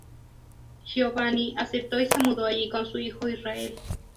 Giovanni aceptó y se mudó allí con su hijo Israel.